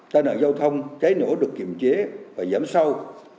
tai nạn giao thông cháy nổ được kiềm chế và giảm sâu